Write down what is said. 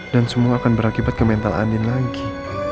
dan semua akan berakibat ke mental andin lagi